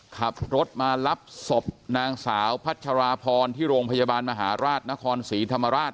ขับรถมารับศพนางสาวพัชราพรที่โรงพยาบาลมหาราชนครศรีธรรมราช